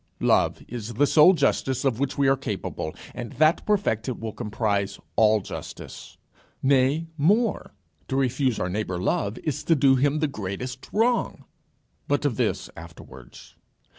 It is the sole justice of which we are capable, and that perfected will comprise all justice. Nay more, to refuse our neighbour love, is to do him the greatest wrong. But of this afterwards.